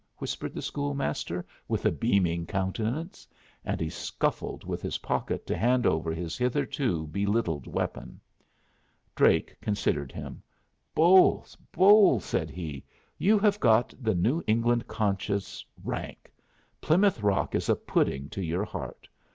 whispered the school master, with a beaming countenance. And he scuffled with his pocket to hand over his hitherto belittled weapon. Drake considered him. "Bolles, Bolles," said he, "you have got the New England conscience rank. Plymouth Rock is a pudding to your heart.